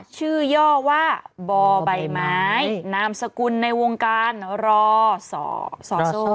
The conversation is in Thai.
ชื่อย่อว่าบใบไม้นามสกุลในวงการรส